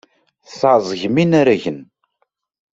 Tesɛeẓgem inaragen.